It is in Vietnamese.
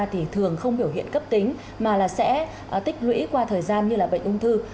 thì thường không biểu hiện cấp tính mà là sẽ tích lũy qua thời gian như là bệnh ung thư